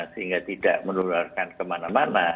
sehingga tidak menularkan kemana mana